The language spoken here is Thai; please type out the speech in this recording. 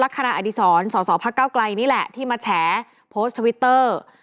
รักษณะอดีศรสสภเกล้าไกลนี่แหละที่มาแฉโพสต์ทวิตเตอร์